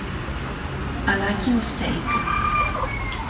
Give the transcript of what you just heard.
A Lucky Mistake